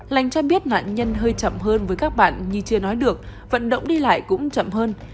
lành cho biết nạn nhân hơi chậm hơn với các bạn như chưa nói được vận động đi lại cũng chậm hơn